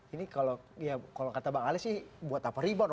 ini kalau ya kalau kata bang ali sih buat apa rebor